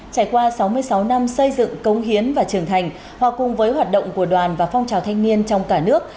trải qua sáu mươi sáu năm xây dựng công hiến và trưởng thành hòa cùng với hoạt động của đoàn và phong trào thanh niên trong cả nước